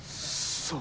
そう。